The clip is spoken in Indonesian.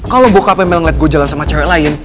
kalo bokapnya melenglet gua jalan sama cewek lain